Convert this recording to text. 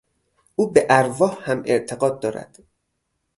او به ارواح هم اعتقاد دارد.